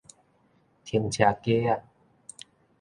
停車格仔